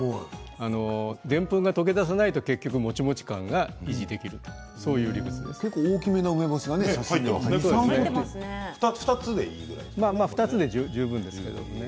でんぷんがとけ出さないと結局もちもち感が維持できると大きめの梅干しが２つでいいんですか。